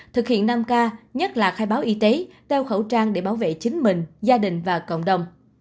thực hiện năm k nhất là khai báo y tế đeo khẩu trang để bảo vệ chính mình gia đình và cộng đồng